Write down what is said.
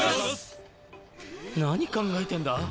何考えてんだ？